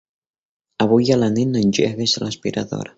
Avui a la nit no engeguis l'aspiradora.